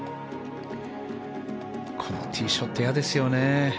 このティーショット嫌ですよね。